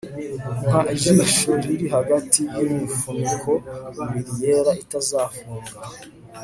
nka jisho riri hagati yimifuniko ibiri yera itazafunga